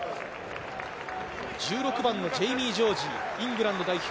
１６番のジェイミー・ジョージ、イングランド代表。